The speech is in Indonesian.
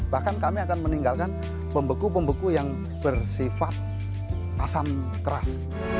bahkan kami akan meninggalkan pembeku pembeku yang bersifat asam keras